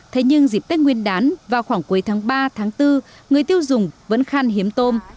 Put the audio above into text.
thế nhưng dịp tết nguyên đán vào khoảng cuối tháng ba tháng bốn người tiêu dùng vẫn khan hiếm tôm